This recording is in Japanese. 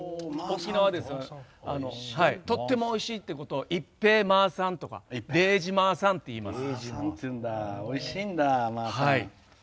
沖縄ではとってもおいしいっていうことをいっぺーまーさんとかでーじまーさんって言います。